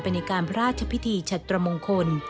ในการพระราชพิธีชัตรมงคล